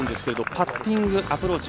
パッティング、アプローチ